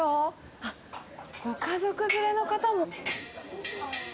あっ、ご家族連れの方も。